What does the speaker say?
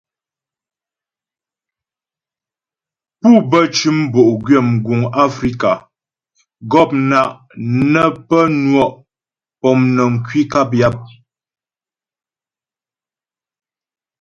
Pú bə cʉm bo'gwyə mguŋ Afrika, mgɔpna' ne pə́ nwɔ' pɔmnəŋ kwi nkap yap.